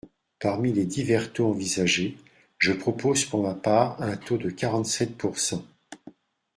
Parmi les divers taux envisagés, je propose pour ma part un taux de quarante-sept pourcent.